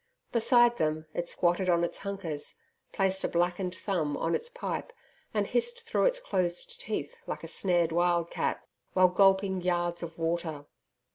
Beside them it squatted on its hunkers, placed a blackened thumb on its pipe, and hissed through its closed teeth like a snared wild cat, while gulping yards of water.